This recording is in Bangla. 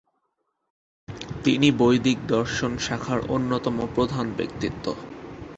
তিনি বৈদিক দর্শন শাখার অন্যতম প্রধান ব্যক্তিত্ব।